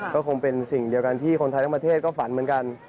ก็คงเป็นสิ่งเดียวกันที่คนไทยทั้งประเทศก็ฝันเหมือนกัน